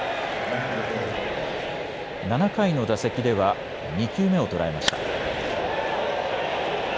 ７回の打席では２球目を捉えました。